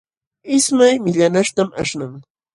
Ismay millanaśhtam aśhnan.